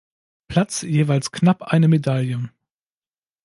Platz jeweils knapp eine Medaille.